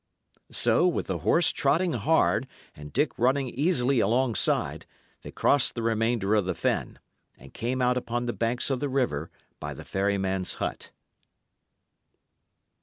So, with the horse trotting hard, and Dick running easily alongside, they crossed the remainder of the fen, and came out upon the banks of the river by the ferryman's hut.